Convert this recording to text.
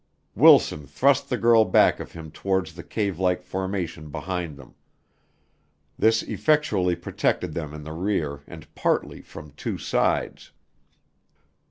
Wilson thrust the girl back of him towards the cave like formation behind them. This effectually protected them in the rear and partly from two sides.